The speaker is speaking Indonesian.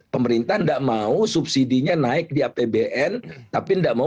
pemerintah nggak mau subsidinya naik di apbn